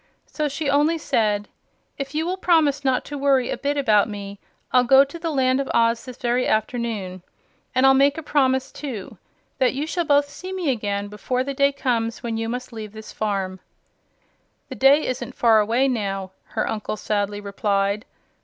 So she only said: "If you will promise not to worry a bit about me, I'll go to the Land of Oz this very afternoon. And I'll make a promise, too; that you shall both see me again before the day comes when you must leave this farm." "The day isn't far away, now," her uncle sadly replied.